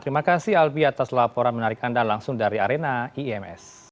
terima kasih albi atas laporan menarik anda langsung dari arena iims